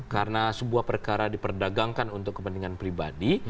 karena sebuah perkara diperdagangkan untuk kepentingan pribadi